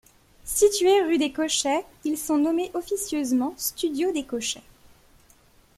Situés rue des Cochets, ils sont nommés officieusement studios des Cochets.